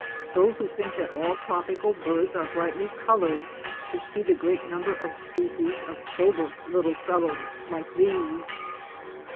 Those who think that all tropical birds are brightly colored should see the great number of species of sober little fellows like these.